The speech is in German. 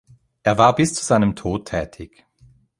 Er war bis zu seinem Tod tätig.